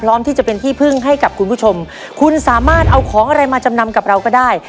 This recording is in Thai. ที่จะเป็นที่พึ่งให้กับคุณผู้ชมคุณสามารถเอาของอะไรมาจำนำกับเราก็ได้